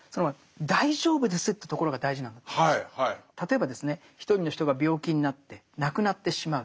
例えばですね一人の人が病気になって亡くなってしまう。